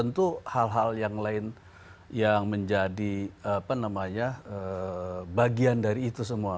dan tentu hal hal yang lain yang menjadi bagian dari itu semua